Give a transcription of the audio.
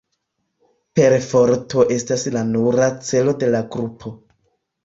Perforto estas la nura celo de la grupo.